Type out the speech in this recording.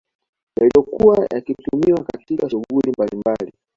Yaliyokuwa yakitumiwa katika shughuli mbalimbali